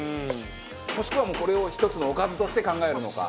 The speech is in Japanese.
もしくはこれを一つのおかずとして考えるのか。